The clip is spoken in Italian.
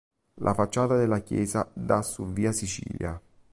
La facciata della chiesa dà su via Sicilia.